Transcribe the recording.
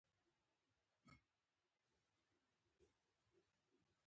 دولتي بنسټونه لا ډېر متمرکز شول.